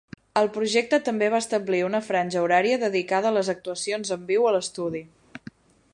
El projecte també va establir una franja horària dedicada a les actuacions en viu a l'estudi.